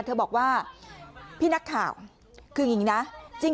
เธอบอกว่าพี่นักข่าวคืออย่างนี้นะ